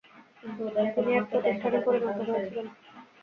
তিনি এক প্রতিষ্ঠানে পরিণত হয়েছিলেন।